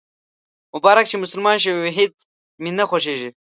مبارک شه، مسلمان شوېهیڅ مې نه خوښیږي